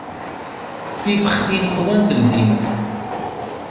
Tifextin qwant ldint.